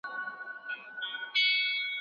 شريعت د خطاګانو کفاره معلومه کړه.